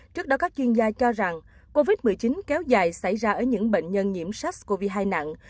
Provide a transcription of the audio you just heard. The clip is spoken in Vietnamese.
trước đó các chuyên gia cho rằng covid một mươi chín kéo dài xảy ra ở những bệnh nhân nhiễm sars cov hai nặng